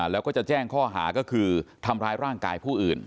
แล้วก็จะแจ้งข้อหาก็คือทำร้ายร่างกายผู้อื่น